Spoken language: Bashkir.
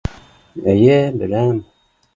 Эйе беләм